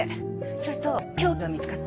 それと凶器は見つかった？